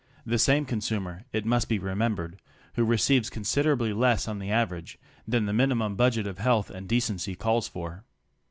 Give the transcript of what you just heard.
. the same consumer, it must be remembered, who receives considerably less on the average than the minimum budget of health and decency calls for.